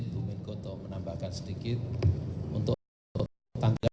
bisa melakukan settlement pada tanggal sembilan belas